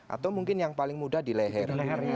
atau mungkin yang paling mudah di leher